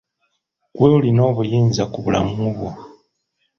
Ggwe olina obuyinza ku bulamu bwo.